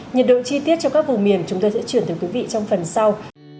nhiệt độ chi tiết cho các vùng miền chúng tôi sẽ chuyển tới quý vị trong phần sau